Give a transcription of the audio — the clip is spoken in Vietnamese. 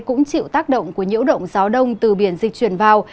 cũng chịu tác động của nhiễu động gió đông từ biển dịch chuyển vào